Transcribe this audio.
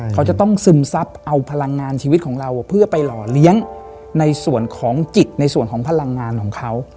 เขาจะต้องซึมซับเอาพลังงานชีวิตของเราเพื่อไปหล่อเลี้ยงในส่วนของจิตในส่วนของพลังงานของเขา